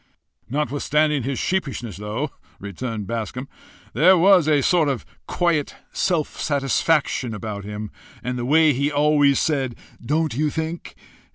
"Notwithstanding his sheepishness, though," returned Bascombe, "there was a sort of quiet self satisfaction about him, and the way he always said Don't you think?